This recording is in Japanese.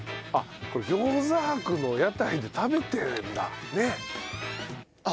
あっこれ餃子博の屋台で食べてるんだ。